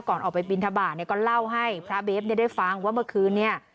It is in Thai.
ก่อนออกไปบินทบาทเนี่ยก็เล่าให้พระเบฟเนี่ยได้ฟังว่าเมื่อคืนเนี่ย